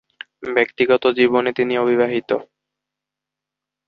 ব্যক্তিগত জীবনে তিনি অবিবাহিত।